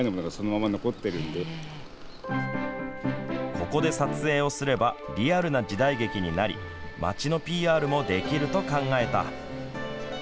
ここで撮影をすればリアルな時代劇になり町のＰＲもできると考えた。